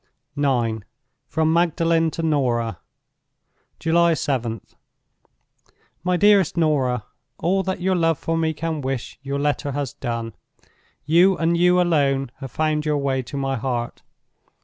IX. From Magdalen to Norah. "July 7th. "MY DEAREST NORAH, "All that your love for me can wish your letter has done. You, and you alone, have found your way to my heart.